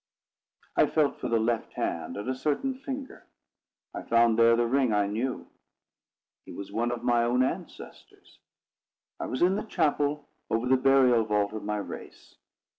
I felt for the left hand and a certain finger; I found there the ring I knew: he was one of my own ancestors. I was in the chapel over the burial vault of my race.